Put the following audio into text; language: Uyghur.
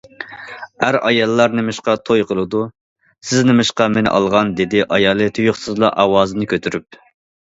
ئەر- ئاياللار نېمىشقا توي قىلىدۇ؟ سىز نېمىشقا مېنى ئالغان؟- دېدى ئايالى تۇيۇقسىزلا ئاۋازىنى كۆتۈرۈپ.